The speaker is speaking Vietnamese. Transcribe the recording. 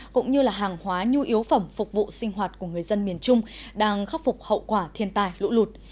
cũng như hàng hóa nhu yếu phẩm phục vụ sinh hoạt của người dân miền trung đang khắc phục hậu quả thiên tai lũ lụt